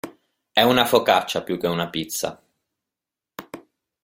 E' una focaccia più che una pizza.